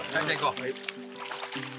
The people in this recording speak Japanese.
はい。